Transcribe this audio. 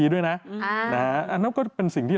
ด้วยนะอันนั้นก็เป็นสิ่งที่